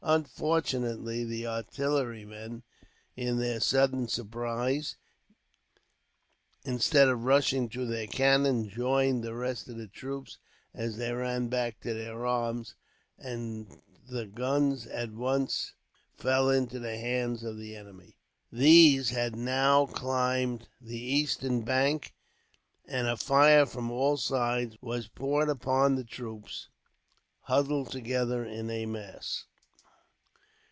Unfortunately the artillerymen, in their sudden surprise, instead of rushing to their cannon, joined the rest of the troops as they ran back to their arms, and the guns at once fell into the hands of the enemy. These had now climbed the eastern bank, and a fire from all sides was poured upon the troops, huddled together in a mass.